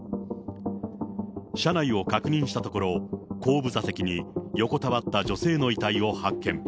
車内を確認したところ、後部座席に横たわった女性の遺体を発見。